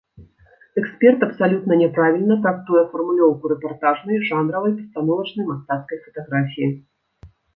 Эксперт абсалютна няправільна трактуе фармулёўку рэпартажнай, жанравай, пастановачнай, мастацкай фатаграфіі.